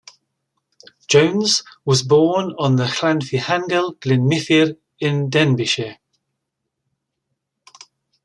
Jones was born on the Llanfihangel Glyn Myfyr in Denbighshire.